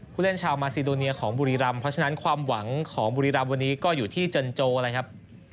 ผู้เล่นชาวมาซีโดเนียของบุรีรำเพราะฉะนั้นความหวังของบุรีรำวันนี้ก็อยู่ที่จันโจเลยครับ